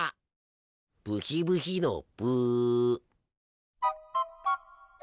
ブヒブヒのブ。